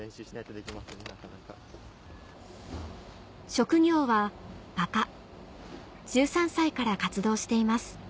職業は画家１３歳から活動しています